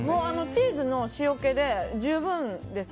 チーズの塩気で十分です。